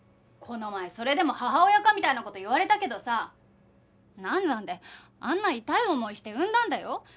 この前それでも母親かみたいな事言われたけどさ難産であんな痛い思いして産んだんだよ。